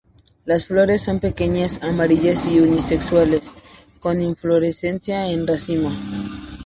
Las flores son pequeñas, amarillas y unisexuales, con inflorescencia en racimo.